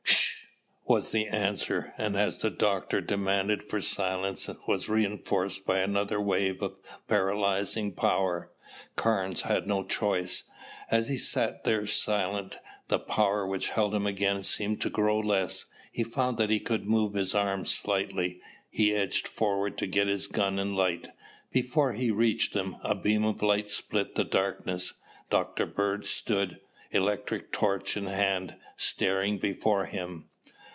"Shh!" was the answer, and as the doctor's demand for silence was reinforced by another wave of the paralyzing power, Carnes had no choice. As he sat there silent, the power which held him again seemed to grow less. He found that he could move his arms slightly. He edged forward to get his gun and light. Before he reached them, a beam of light split the darkness. Dr. Bird stood, electric torch in hand, staring before him.